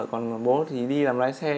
còn bố thì đi làm lái xe